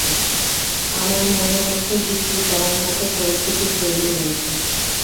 আমার মনে হচ্ছে বিক্রি করার মতো পরিস্থিতি তৈরি হয়েছে।